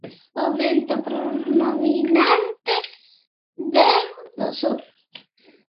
El viento predominante proviene del sur.